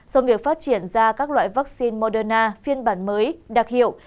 do việc phát triển ra các loại vaccine moderna phiên bản mới đặc hiệu